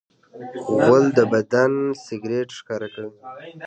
غول د بدن سګرټ ښکاره کوي.